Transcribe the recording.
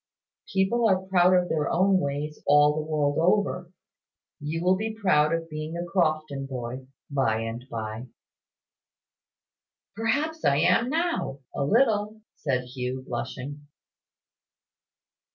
"People are proud of their own ways all the world over. You will be proud of being a Crofton boy, by and by." "Perhaps I am now, a little," said Hugh, blushing.